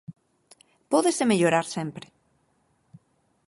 Pódese mellorar sempre.